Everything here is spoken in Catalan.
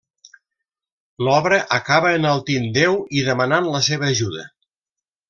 L'obra acaba enaltint Déu i demanant la seva ajuda.